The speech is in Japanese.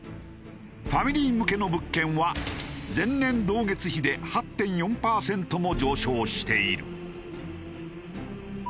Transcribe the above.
ファミリー向けの物件は前年同月比で８．４パーセントも上昇している。